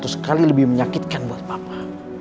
sekali lebih menyakitkan buat papa